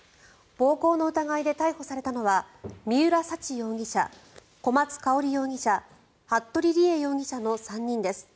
暴行の疑いで逮捕されたのは三浦沙知容疑者、小松香織容疑者服部理江容疑者の３人です。